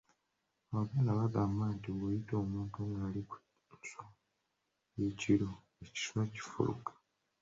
"Abaganda bagamba nti bw’oyita omuntu ng’ali ku nswa ye ekiro, ekiswa kifuluka."